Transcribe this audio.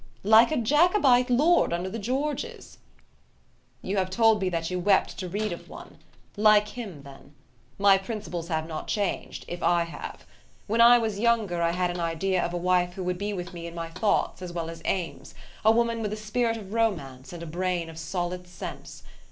"Like a Jacobite lord under the Georges." "You have told me that you wept to read of one: like him, then. My principles have not changed, if I have. When I was younger, I had an idea of a wife who would be with me in my thoughts as well as aims: a woman with a spirit of romance, and a brain of solid sense.